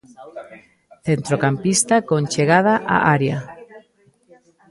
Centrocampista con chegada á área.